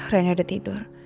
ren ada tidur